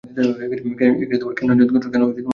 কেন জেদ করছো?